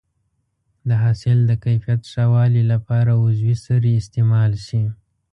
د حاصل د کیفیت ښه والي لپاره عضوي سرې استعمال شي.